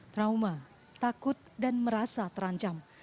trauma takut dan merasa terancam